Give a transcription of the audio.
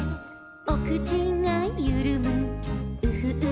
「おくちがゆるむウフウフほっぺ」